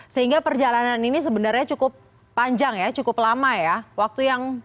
sehingga perjalanan ini sebenarnya cukup panjang ya cukup lama ya waktu yang